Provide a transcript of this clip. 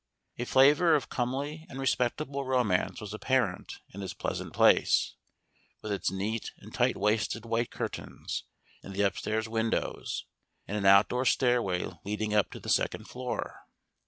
A flavour of comely and respectable romance was apparent in this pleasant place, with its neat and tight waisted white curtains in the upstairs windows and an outdoor stairway leading up to the second floor.